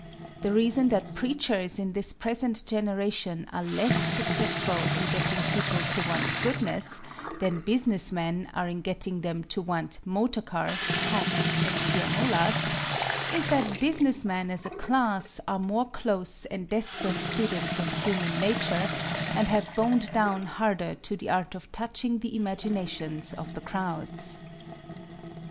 The reason that preachers in this present generation are less successful in getting people to want goodness than business men are in getting them to want motorcars, hats, and pianolas, is that business men as a class are more close and desperate students of human nature, and have boned down harder to the art of touching the imaginations of the crowds.